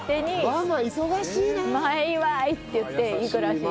「前祝い」って言って行くらしい。